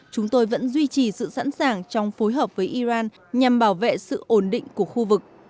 chúng tôi vẫn duy trì sự sẵn sàng trong phối hợp với iran nhằm bảo vệ sự ổn định của khu vực